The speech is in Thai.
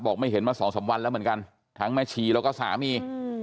ไม่เห็นมาสองสามวันแล้วเหมือนกันทั้งแม่ชีแล้วก็สามี